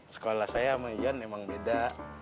sekolah saya sama ian emang beda